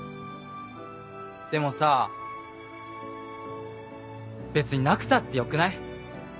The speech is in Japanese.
でもさぁ別になくたってよくない？